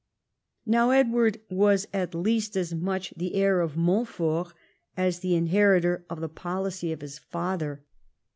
Now Edward was at least as much the heir of Montfort as the inheritor of the policy of his father.